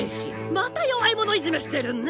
また弱い者いじめしてるね。